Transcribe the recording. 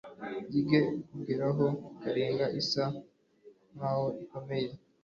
Nzige kongeraho Karenge isa nkaho ikomeye